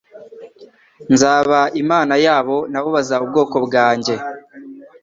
Nzaba Imana yabo na bo bazaba ubwoko bwanjye.